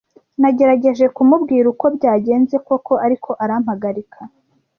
Nagerageje kumubwira uko byagenze koko, ariko arampagarika.